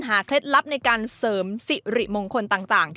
เคล็ดลับในการเสริมสิริมงคลต่าง